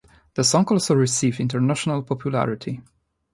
The song also received international popularity.